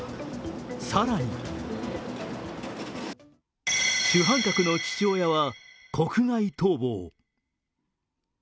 更に主犯格の父親は国外逃亡。